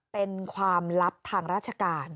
เป็นความลับทางราชการ